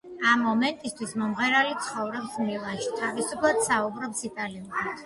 ამ მომენტისთვის მომღერალი ცხოვრობს მილანში, თავისუფლად საუბრობს იტალიურად.